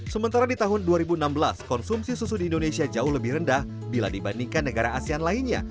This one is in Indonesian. sementara di tahun dua ribu enam belas konsumsi susu di indonesia jauh lebih rendah bila dibandingkan negara asean lainnya